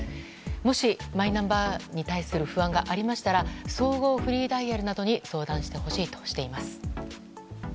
もしマイナンバーに対する不安がありましたら総合フリーダイヤルなどに相談してほしいとしています。